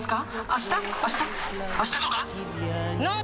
あしたとか？